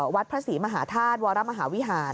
วัดพระศรีมหาธาตุวรมหาวิหาร